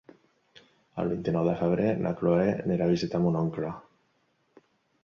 El vint-i-nou de febrer na Cloè irà a visitar mon oncle.